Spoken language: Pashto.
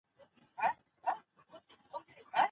دغه ماشوم زما امتحان دی.